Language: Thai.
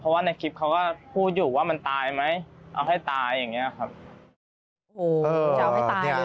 เพราะว่าในคลิปเขาก็พูดอยู่ว่ามันตายไหมเอาให้ตายอย่างนี้